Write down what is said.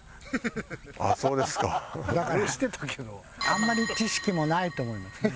あんまり知識もないと思いますね。